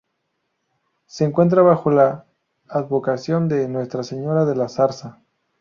Se encuentra bajo la advocación de Nuestra Señora de la Zarza.